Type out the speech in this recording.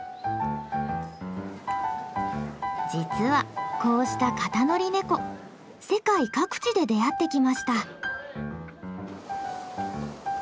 実はこうした肩乗りネコ世界各地で出会ってきました。